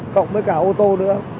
cộng với cả ô tô nữa